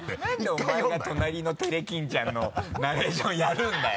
なんでお前が「となりのテレ金ちゃん」のナレーションやるんだよ！